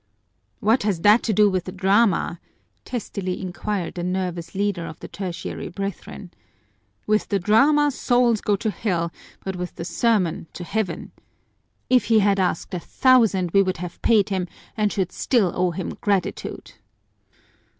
"What has that to do with the drama?" testily inquired the nervous leader of the Tertiary Brethren. "With the drama souls go to hell but with the sermon to heaven! If he had asked a thousand, we would have paid him and should still owe him gratitude."